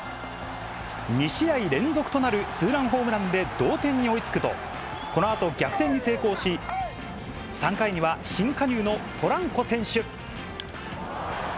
２試合連続となるツーランホームランで同点に追いつくと、このあと逆転に成功し、３回には新加入のポランコ選手。